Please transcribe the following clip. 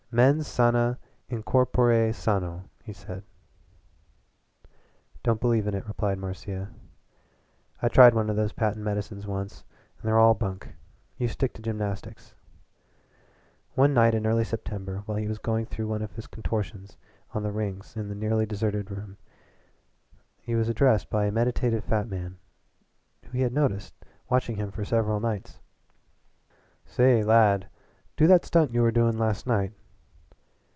"MENS SANA IN CORPORE SANO," he said. "Don't believe in it," replied Marcia. "I tried one of those patent medicines once and they're all bunk. You stick to gymnastics." One night in early September while he was going through one of his contortions on the rings in the nearly deserted room he was addressed by a meditative fat man whom he had noticed watching him for several nights. "Say, lad, do that stunt you were doin' last night."